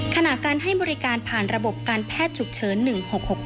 ขณะการให้บริการผ่านระบบการแพทย์ฉุกเฉิน๑๖๖๙